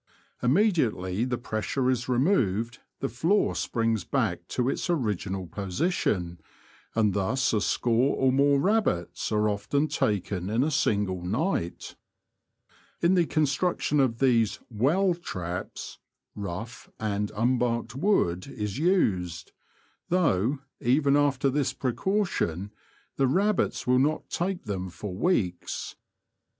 Immediately the pressure is removed the floor springs back to its original position, and thus a score or more rabbits are often taken in a single night. In the construction of these *^ well traps," rough and unbarked wood is used, though, even after this precaution, the rabbits will not take them for weeks.